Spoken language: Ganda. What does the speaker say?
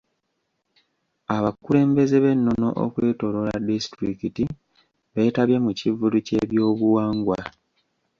Abakulembeze b'ennono okwetoloola disitulikiti beetabye mu kivvulu ky'ebyobuwangwa.